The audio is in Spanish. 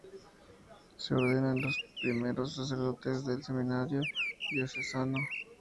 Se ordenan los primeros sacerdotes del Seminario Diocesano.